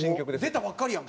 出たばっかりやん。